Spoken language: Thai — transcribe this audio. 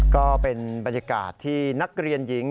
ก็เป็นบรรยากาศที่นักเรียนหญิง